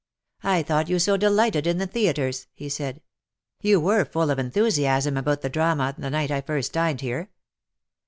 " I thought you so delighted in the theatres/^ he said. " You were full of enthusiasm about the drama the night I first dined here.''''